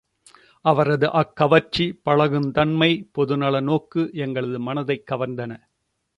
அவரது அக்கவர்ச்சி, பழகுந்தன்மை, பொதுநலநோக்கு எங்களது மனதைக் கவர்ந்தன.